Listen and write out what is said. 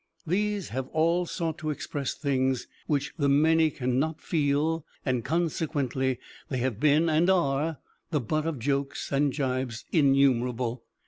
These have all sought to express things which the many can not feel, and consequently they have been, and are, the butt of jokes and jibes innumerable.